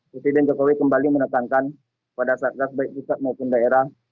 presiden jokowi kembali menekankan pada saat gas baik pusat maupun daerah